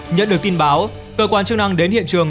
nhận được tin báo cơ quan chức năng đến hiện trường